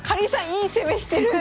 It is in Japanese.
いい攻めしてる！